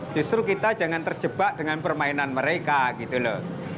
justru kita jangan terjebak dengan permainan mereka gitu loh